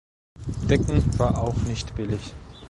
Decken war auch nicht billig.